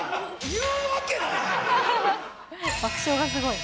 言うわけない。